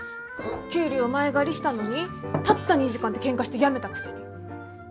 給料前借りしたのにたった２時間でケンカして辞めたくせに。